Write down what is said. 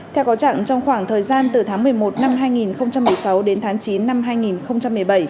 theo có trạng trong khoảng thời gian từ tháng một mươi một năm hai nghìn một mươi sáu đến tháng chín năm hai nghìn một mươi bảy